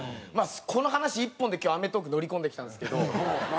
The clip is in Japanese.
この話１本で今日『アメトーーク』乗り込んできたんですけど。